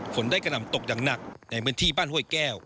ฝนได้กระหน่ำตกอย่างหนักในพื้นที่บ้านห้วยแก้ว